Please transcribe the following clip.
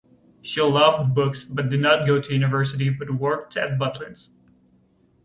She loved books but did not go to university but worked at Butlins.